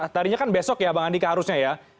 tadinya kan besok ya bang andika harusnya ya